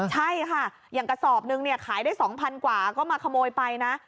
ใช่ค่ะอย่างกระสอบนึงเนี่ยขายได้๒๐๐กว่าก็มาขโมยไปนะ